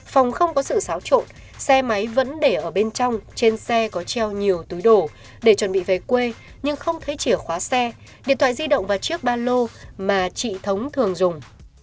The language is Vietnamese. phòng không có sự xáo trộn xe máy vẫn để ở bên trong trên xe có treo nhiều túi đồ để chuẩn bị về quê nhưng không thấy chìa khóa xe điện thoại di động và chiếc ba lô mà chị thống thường dùng